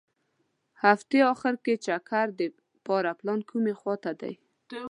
هغتې اخیر کې چکر دپاره پلان کومې خوا ته دي.